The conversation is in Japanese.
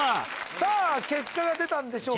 さぁ結果が出たんでしょうか？